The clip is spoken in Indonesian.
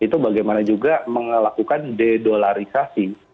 itu bagaimana juga melakukan dedolarisasi